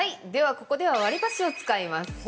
ここでは割り箸を使います。